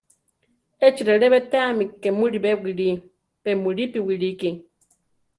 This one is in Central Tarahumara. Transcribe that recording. Échi relé betéami ke mulibé wilí; pe mulípi wilíki.